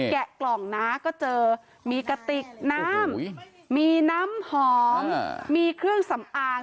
แกะกล่องน้าก็เจอมีกระติกน้ำมีน้ำหอมมีเครื่องสำอาง